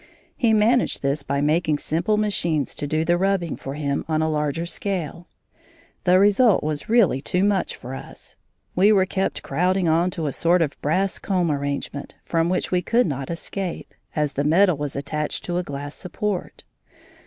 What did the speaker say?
He managed this by making simple machines to do the rubbing for him on a larger scale. The result was really too much for us; we were kept crowding on to a sort of brass comb arrangement from which we could not escape, as the metal was attached to a glass support.